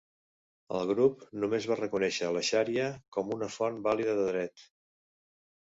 El grup només va reconèixer la "Xaria" com una font vàlida de dret.